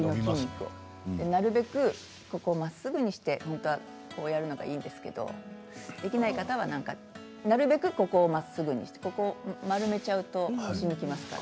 なるべく腰をまっすぐにして倒すのがいいんですけどできない方はなるべく背中をまっすぐにして丸めちゃうと腰にきますから。